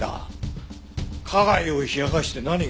花街を冷やかして何が悪い。